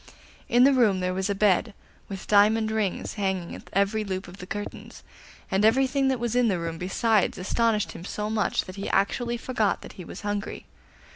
In the room there was a bed, with diamond rings hanging at every loop of the curtains, and everything that was in the room besides astonished him so much that he actually forgot that he was hungry.